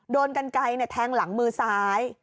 โดนกันไกลแทงหลังมือซ้าย